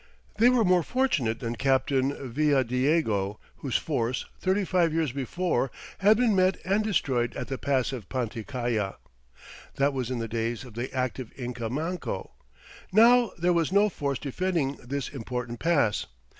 They were more fortunate than Captain Villadiego whose force, thirty five years before, had been met and destroyed at the pass of Panticalla. That was in the days of the active Inca Manco. Now there was no force defending this important pass.